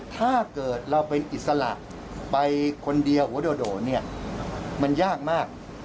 ถ้าเกิดเราเป็นอิสระไปคนเดียวหัวโดดเนี่ยมันยากมาก